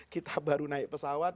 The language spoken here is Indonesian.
kita baru naik pesawat